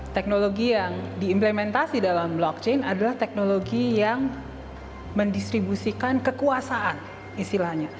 teknologi yang diimplementasi dalam blockchain adalah teknologi yang mendistribusikan kekuasaan istilahnya